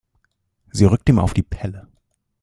Sie rückt ihm auf die Pelle.